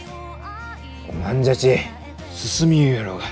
おまんじゃち進みゆうろうが。